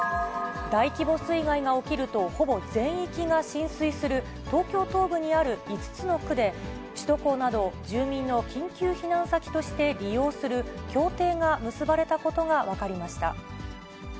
大規模水害が起きると、ほぼ全域が浸水する東京東部にある５つの区で、首都高などを住民の緊急避難先として利用する協定が結ばれたことが分かりました。